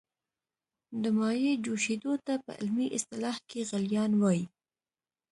د مایع جوشیدو ته په علمي اصطلاح کې غلیان وايي.